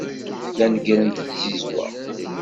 La neggrent tzizwa.